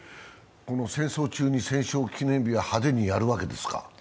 戦争中に戦勝記念日は派手にやるわけですか？